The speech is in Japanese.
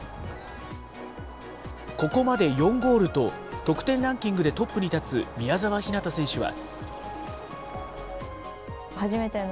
ここまで４ゴールと、得点ランキングでトップに立つ宮澤ひなた選手は。